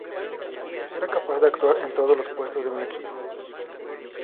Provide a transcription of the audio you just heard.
Era capaz de actuar en todos los puestos de un equipo.